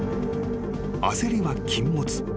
［焦りは禁物。